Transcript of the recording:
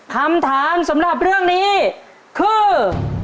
คำถามสำหรับเรื่องนี้คือ